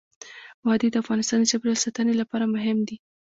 وادي د افغانستان د چاپیریال ساتنې لپاره مهم دي.